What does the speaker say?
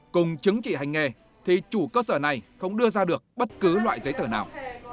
cùng chứng chỉ hành nghề thì chủ cơ sở này không đưa ra được bất cứ loại giấy tờ nào